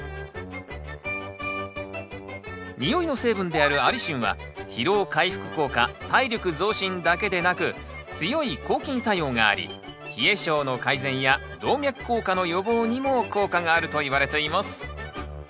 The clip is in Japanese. においの成分であるアリシンは疲労回復効果体力増進だけでなく強い抗菌作用があり冷え性の改善や動脈硬化の予防にも効果があるといわれています。